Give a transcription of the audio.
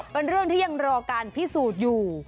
เป็นเรื่องที่ยังรอการพิสูจน์อยู่